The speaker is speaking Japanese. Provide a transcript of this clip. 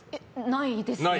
ないですね。